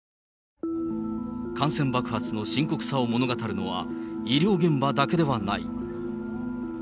感染爆発の深刻さを物語るのは、医療現場だけではない。